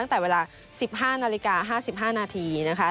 ตั้งแต่เวลา๑๕นาฬิกา๕๕นาทีนะคะ